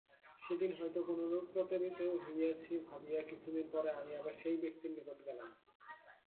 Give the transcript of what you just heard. সেদিন হয়তো কোনরূপ প্রতারিত হইয়াছি ভাবিয়া কিছুদিন পরে আমি আবার সেই ব্যক্তির নিকট গেলাম।